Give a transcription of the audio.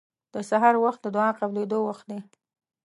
د سحر وخت د دعا قبلېدو وخت دی.